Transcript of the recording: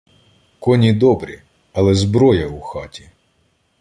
Коні добрі, але — зброя у хаті.